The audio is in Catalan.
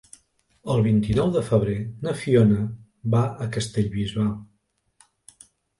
El vint-i-nou de febrer na Fiona va a Castellbisbal.